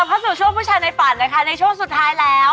เข้าสู่ช่วงผู้ชายในฝันนะคะในช่วงสุดท้ายแล้ว